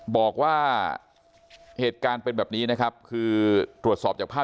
บอกว่าเหตุการณ์เป็นแบบนี้นะครับคือตรวจสอบจากภาพ